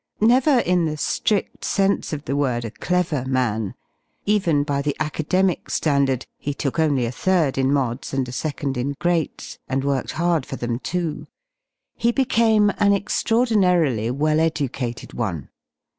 Never in the Hrid sense of the word a clever man — even by the academic ^andard {he took only a third in Mods, and a second in Greats, and worked hard for them, too) — he became an extraordinarily well educated one.